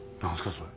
それ。